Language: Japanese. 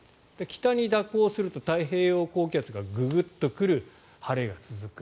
北に蛇行すると太平洋高気圧がググッと来る晴れが続く。